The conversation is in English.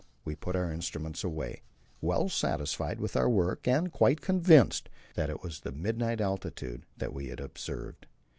we put our instruments away, well satisfied with our work, and quite convinced that it was the midnight altitude that we had observed.